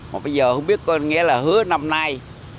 mà bây giờ không biết có nghĩa là hứa năm nay